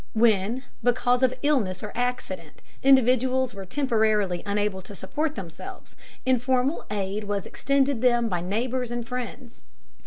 When, because of illness or accident, individuals were temporarily unable to support themselves, informal aid was extended them by neighbors and friends.